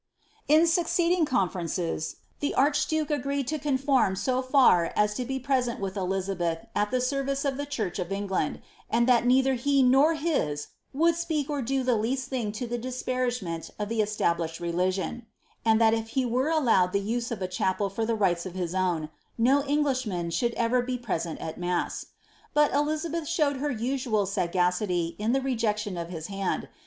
ceding conferences, the archduke agreed to conform so far as lent with Elizabeth at the service of the church of England, either he nor his would speak or do the least thing to the dis It of the esuiblished religion ; and that if he were allowed the hapel for the rites o( his own, no Englishman should ever be mass. But Elizabeth showed her usual sagacity in the rejeo is hand.